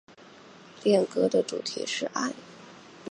恋歌的主题是爱。